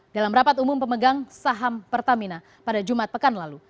dalam rapat umum pemegang saham pertamina pada jumat pekan lalu